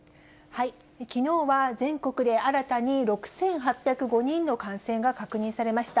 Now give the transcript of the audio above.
きのうは全国で新たに６８０５人の感染が確認されました。